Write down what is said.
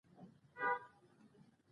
تالابونه د افغانستان د ملي هویت یوه نښه ده.